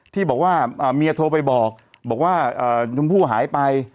ที่บอกว่าเมียโทรไปบอกบอกว่าชมพู่หายไป